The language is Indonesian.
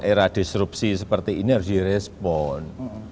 era disrupsi seperti ini harus di respon